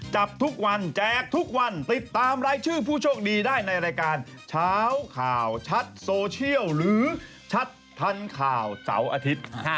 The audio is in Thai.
จับทุกวันแจกทุกวันติดตามไร้ชื่อผู้โชคดีได้ในรายการ